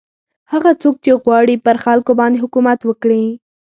هغه څوک چې غواړي پر خلکو باندې حکومت وکړي.